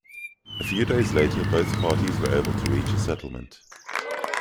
A few days later both parties were able to reach a settlement.